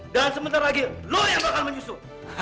dan sebentar lagi lo yang bakal menyusul